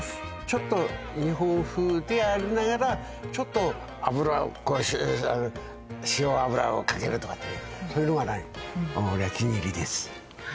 ちょっと日本風でありながらちょっと油をこう塩油をかけるとかってそういうのがないお気に入りです